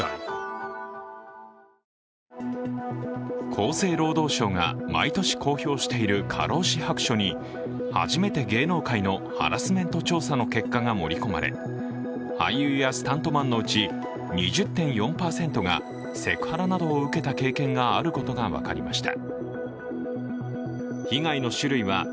厚生労働省が毎年公表している過労死白書に、初めて芸能界のハラスメント調査の結果が盛り込まれ俳優やスタントマンのうち２０．４％がセクハラなどを受けた経験があることが分かりました。